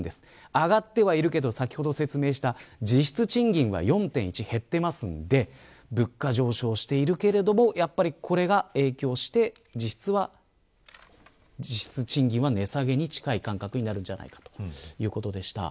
上がってはいるけど実質賃金は４．１減っているので物価上昇しているけれどこれが影響して実質賃金は値下げに近い感覚になるんじゃないかということでした。